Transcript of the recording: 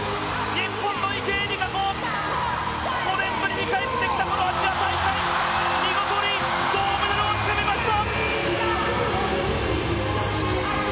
日本の池江璃花子５年ぶりに帰ってきたこのアジア大会見事に銅メダルをつかみました！